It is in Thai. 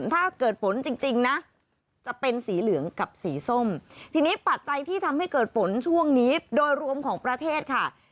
ถ้าเกิดฝนจริงนะจะเป็นสีเหลืองกับสีส้มทีนี้ปัจจัยที่ทำให้เกิดฝนช่วงนี้โดยรวมของประเทศค่ะ